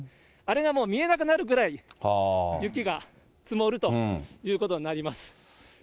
あれがもう見えなくなるぐらい、雪が積もるということになります。